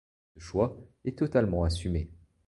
Ce choix est totalement assumé.